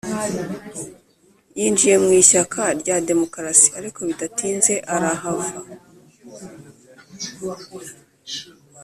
yinjiye mu ishyaka rya demokarasi ariko bidatinze arahava.